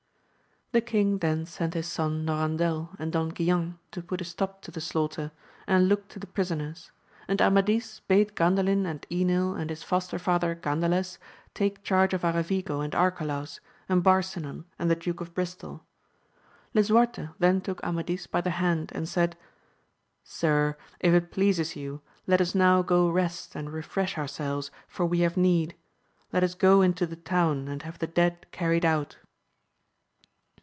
The king then sent his son Norandel and Don Guilan to put a stop to the slaughter, and look to the pri soners; and Amadis bade Gandalin and Enil and his foster father Gandales take charge of Aravigo and Arcalaus, and Barsinan, and the Duke of BristoL Lisuarte then took Amadis by the hand, and said, Sir, if it pleases you, let us now go rest and refresh ourselves, for we have need ; let us go into the town and have the dead carried out.